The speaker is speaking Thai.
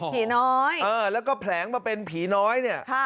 ผีน้อยแล้วก็แผลงมาเป็นผีน้อยเนี่ย